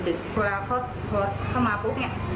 พอเขามาปุ๊บ